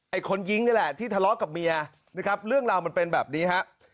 คนยิงนี่แหละที่ทะเลาะกับเมียนะครับเรื่องราวมันเป็นแบบนี้ฮะ